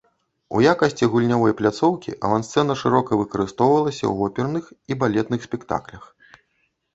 У якасці гульнявой пляцоўкі авансцэна шырока выкарыстоўвалася ў оперных і балетных спектаклях.